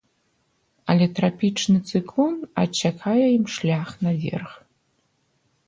Але трапічны цыклон адсякае ім шлях наверх.